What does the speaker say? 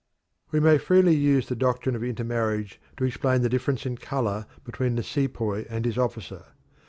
We may freely use the doctrine of intermarriage to explain the difference in colour between the sepoy and his officer.